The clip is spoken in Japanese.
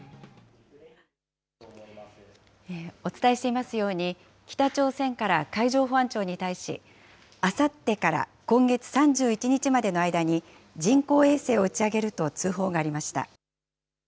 お伝えしていますように、北朝鮮から海上保安庁に対し、あさってから今月３１日までの間に人工衛星を打ち上げると通報がありました。